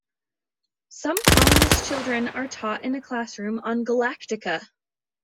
Some Colonists's children are taught in a classroom on Galactica.